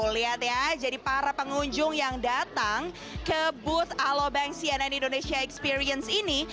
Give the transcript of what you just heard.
lihat ya jadi para pengunjung yang datang ke booth alobank cnn indonesia experience ini